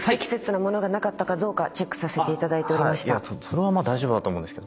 それは大丈夫だと思うんですが。